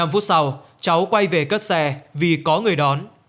năm phút sau cháu quay về cất xe vì có người đón